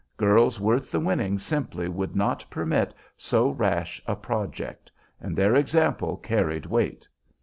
Girls worth the winning simply would not permit so rash a project, and their example carried weight.